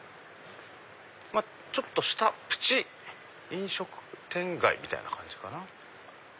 ちょっとしたプチ飲食店街みたいな感じかな。